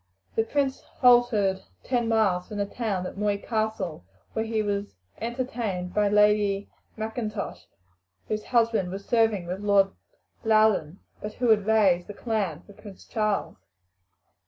The prince halted ten miles from the town at Moy Castle, where he was entertained by Lady M'Intosh, whose husband was serving with Lord Loudon, but who had raised the clan for Prince Charles.